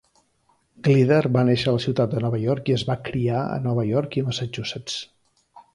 Glider va néixer a la ciutat de Nova York i es va criar a Nova York i a Massachusetts.